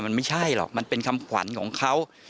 มันไม่ใช่หรอกมันเป็นคำขวัญของเขา